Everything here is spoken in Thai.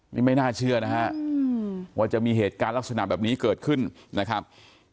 นี่ไม่น่าเชื่อนะฮะว่าจะมีเหตุการณ์ลักษณะแบบนี้เกิดขึ้นนะครับ